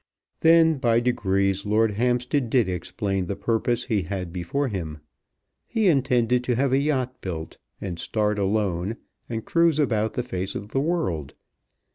Then, by degrees, Lord Hampstead did explain the purpose he had before him. He intended to have a yacht built, and start alone, and cruise about the face of the world.